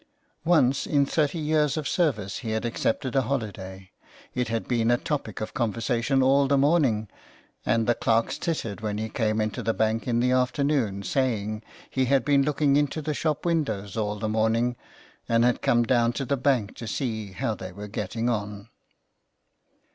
Once in thirty years of service he had accepted a holiday ; it had been a topic of conversation all the morning, and the clerks tittered when he came into the bank in the afternoon saying he had been looking into the shop windows all the morning, and had come down to the bank to see how they were getting on.